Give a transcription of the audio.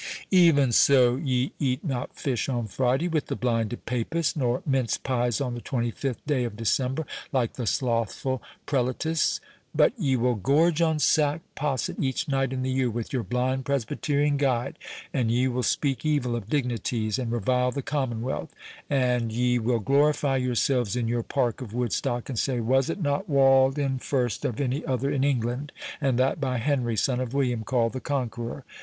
Even so ye eat not fish on Friday with the blinded Papists, nor minced pies on the 25th day of December, like the slothful Prelatists; but ye will gorge on sack posset each night in the year with your blind Presbyterian guide, and ye will speak evil of dignities, and revile the Commonwealth; and ye will glorify yourselves in your park of Woodstock, and say, 'Was it not walled in first of any other in England, and that by Henry, son of William called the Conqueror?